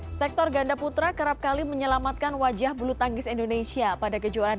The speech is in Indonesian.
hai sektor ganda putra kerap kali menyelamatkan wajah bulu tangkis indonesia pada kejuaraan